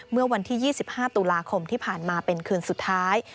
เมื่อวันที่๒๕ตุลาคมที่ผ่านมาเป็นคืนสุดท้าย